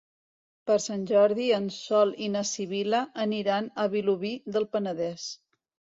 Per Sant Jordi en Sol i na Sibil·la aniran a Vilobí del Penedès.